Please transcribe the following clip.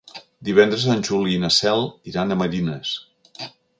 Divendres en Juli i na Cel iran a Marines.